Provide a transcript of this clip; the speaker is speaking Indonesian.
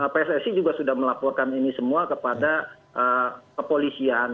pssi juga sudah melaporkan ini semua kepada kepolisian